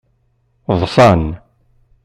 Ḍsan.